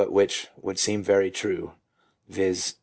which would seem very true — viz.